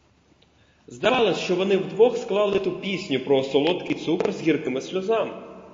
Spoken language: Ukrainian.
Здавалось, що вони вдвох склали ту пісню про "солодкий цукор з гіркими сльозами".